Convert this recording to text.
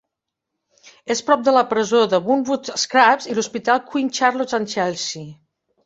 És prop de la presó de Wormwood Scrubs i l'hospital Queen Charlotte's and Chelsea.